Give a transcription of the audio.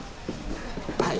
はい！